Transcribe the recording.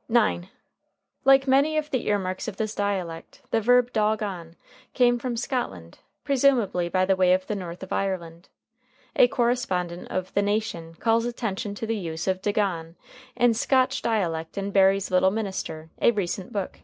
] [Footnote 9: Like many of the ear marks of this dialect, the verb "dog on" came from Scotland, presumably by the way of the north of Ireland. A correspondent of The Nation calls attention to the use of "dagon" as Scotch dialect in Barrie's "Little Minister," a recent book.